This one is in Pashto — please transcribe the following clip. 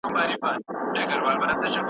اقتصادي بحران د نظامي قوت مخه نیسي.